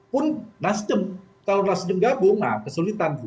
pun nasdem kalau nasdem gabung nah kesulitan